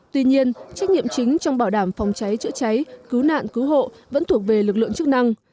tuy nhiên trách nhiệm chính trong bảo đảm phòng cháy chữa cháy cứu nạn cứu hộ vẫn thuộc về lực lượng chức năng